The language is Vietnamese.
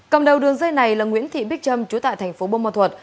cầm đầu đường dây này là nguyễn thị bích trâm trú tại tp bông ma thuật